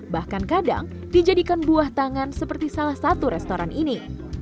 bahkan kadang dijadikan buah tangan seperti salah satu restoran ini